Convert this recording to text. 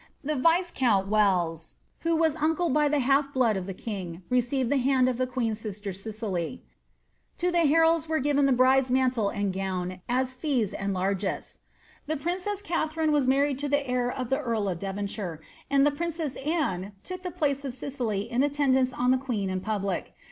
Tlie Viscount Welles, who was uncle by iha ' .r blood lo lite king, received the hand of the queen's sister Cicely; . 1 die henlds were given the bride's mantle and gown as fees and lap* J MM. Tha princess Katharine was married to the heir of ihe earl d!4 DevoDshirc, and tlie princess Anne took the place of Cicely in alten^f uet oa ilie queen iu public.